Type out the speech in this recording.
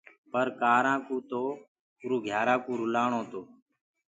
پر اُنآ ڪآرآ ڪوُ تو روگو اُرو گھيارا ڪوُ رلآڻو تو۔